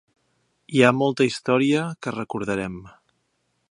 Hi ha molta història que recordarem.